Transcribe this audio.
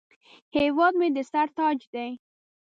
هیواد مې د سر تاج دی